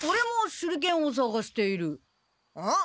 ん？